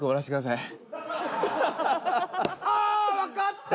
ああわかった！